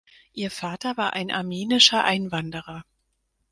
Ihr Vater war ein armenischer Einwanderer.